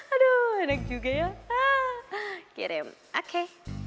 aduh enak juga ya kirim oke